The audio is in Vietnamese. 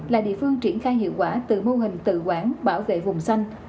là địa phương triển khai hiệu quả từ mô hình tự quản bảo vệ vùng xanh